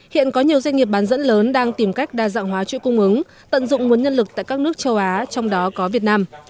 hiện có nhiều doanh nghiệp bán dẫn lớn đang tìm cách đa dạng hóa chuỗi cung ứng tận dụng nguồn nhân lực tại các nước châu á trong đó có việt nam